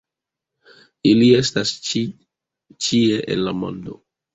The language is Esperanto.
Ili estas ĉie en la mondo.